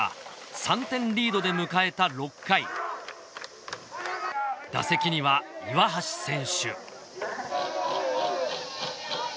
３点リードで迎えた６回打席には岩橋選手